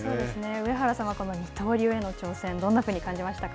上原さんはこの二刀流への挑戦、どんなふうに感じましたか。